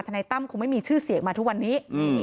นายตั้มคงไม่มีชื่อเสียงมาทุกวันนี้